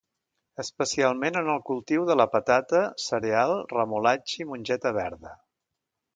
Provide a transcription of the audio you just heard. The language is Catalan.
Especialment en el cultiu de la patata, cereal, remolatxa i mongeta verda.